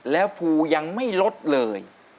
แล้วภูยังไม่ลดเลย